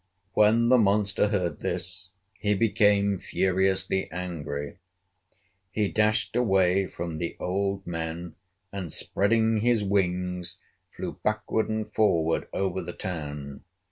When the monster heard this, he became furiously angry. He dashed away from the old men and, spreading his wings, flew backward and forward over the town.